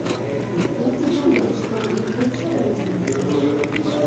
Як ты думаеш, ты ад іх будзеш адрознівацца?